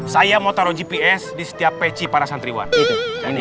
saya mau taruh gps di setiap peci para santriwati